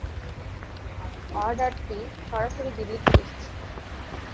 এই অর্ডার সরাসরি দিল্লি থেকে এসেছে।